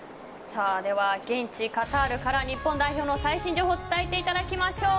現地・カタールから日本代表の最新情報を伝えていただきましょう。